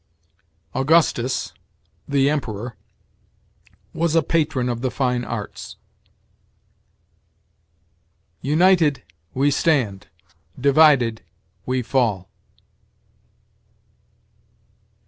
"Augustus, the Emperor, was a patron of the fine arts." "United, we stand; divided, we fall."